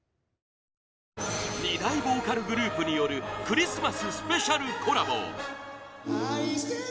２大ボーカルグループによるクリスマススペシャルコラボ！